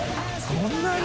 そんなに？